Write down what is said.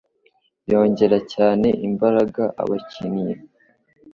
Yongerera cyane imbaraga abakinnyi